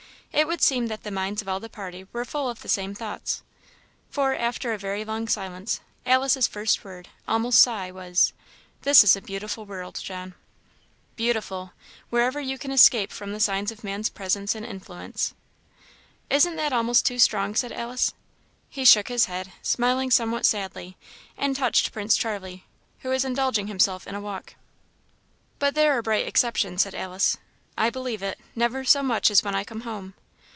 It would seem that the minds of all the party were full of the same thoughts, for, after a very long silence, Alice's first word, almost sigh, was "This is a beautiful world, John!" "Beautiful! wherever you can escape from the signs of man's presence and influence." "Isn't that almost too strong?" said Alice. He shook his head, smiling somewhat sadly, and touched Prince Charlie, who was indulging himself in a walk. "But there are bright exceptions," said Alice. "I believe it; never so much as when I come home."